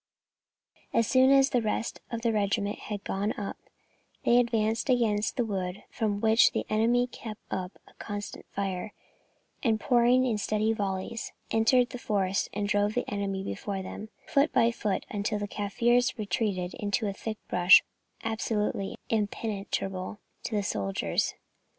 As soon as the rest of the regiment had got up, they advanced against the wood, from which the enemy kept up a constant fire, and pouring in steady volleys, entered the forest and drove the enemy before them foot by foot, until the Kaffirs retreated into a thick bush absolutely impenetrable to the soldiers.